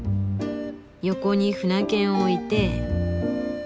横に舟券を置いて。